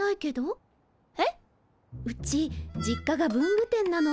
うち実家が文具店なの。